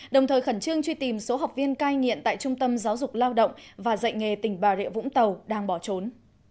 đồng thời khẩn trương truy tìm số học viên cai nghiện tại trung tâm giáo dục lao động và dạy nghề tỉnh bà rịa vũng tàu đang bỏ trốn